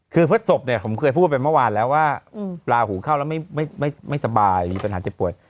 คือพฤศพเนี่ยผมเคยพูดไปเมื่อวานแล้วว่าลาหูเข้าแล้วไม่สบายมีปัญหาเจ็บป่วย